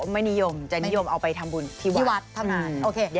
มันนิยมเอาไปทำบุญ